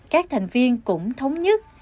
các thành viên cũng thống nhất